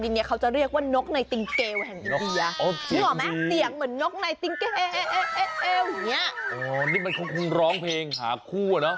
นี่มันคงร้องเพลงหาคู่อะเนาะ